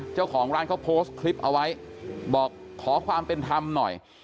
เจ้าของร้านเขาโพสต์คลิปเอาไว้บอกขอความเป็นธรรมหน่อย